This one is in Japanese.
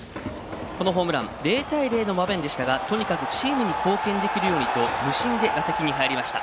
このホームラン０対０の場面でしたがとにかくチームに貢献できるようにと無心で打席に入りました。